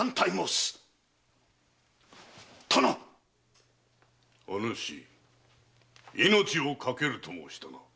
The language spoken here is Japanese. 殿‼お主命を懸けると申したな？